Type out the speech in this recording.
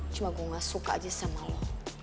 cuma gue gak suka aja sama lo